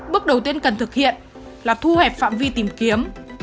bước đầu tiên cần thực hiện là thu hẹp phạm vi tìm kiếm